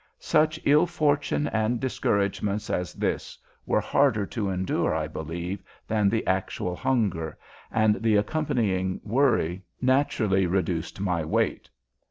Such ill fortune and discouragements as this were harder to endure, I believe, than the actual hunger, and the accompanying worry naturally reduced my weight.